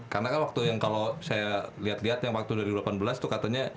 karena kan waktu yang kalau saya lihat lihat yang waktu dari dua ribu delapan belas tuh katanya